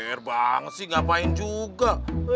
gair banget sih ngapain juga